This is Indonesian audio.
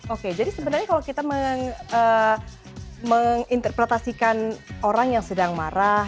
oke jadi sebenarnya kalau kita menginterpretasikan orang yang sedang marah